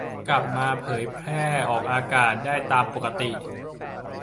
กลับมาเผยแพร่ออกอากาศได้ตามปกติ